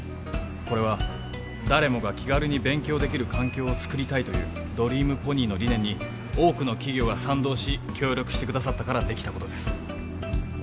これは誰もが気軽に勉強できる環境を作りたいというドリームポニーの理念に多くの企業が賛同し協力してくださったからできたことです